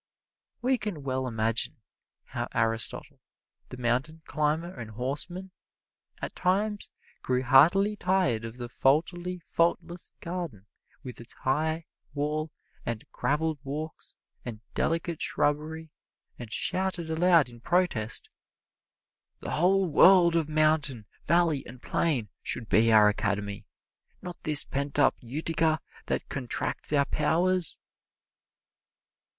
We can well imagine how Aristotle, the mountain climber and horseman, at times grew heartily tired of the faultily faultless garden with its high wall and graveled walks and delicate shrubbery, and shouted aloud in protest, "The whole world of mountain, valley and plain should be our Academy, not this pent up Utica that contracts our powers."